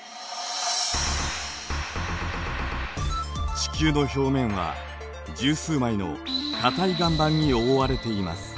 地球の表面は十数枚の硬い岩盤に覆われています。